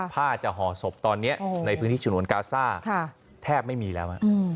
ผ้าจะห่อศพตอนนี้ในพื้นที่ฉนวนกาซ่าแทบไม่มีแล้ว